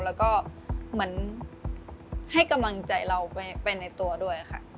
แล้วก็เหมือนให้กำลังใจเราไปในตัวด้วยค่ะ